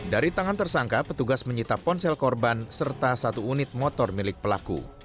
dari tangan tersangka petugas menyita ponsel korban serta satu unit motor milik pelaku